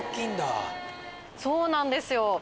そうなんですよ。